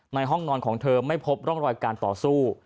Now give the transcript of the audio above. ห้องนอนของเธอไม่พบร่องรอยการต่อสู้